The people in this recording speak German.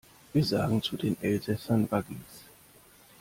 Wir sagen zu den Elsässern Waggis.